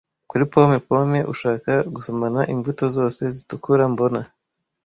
Kuri pome-pome ushaka gusomana imbuto zose zitukura mbona,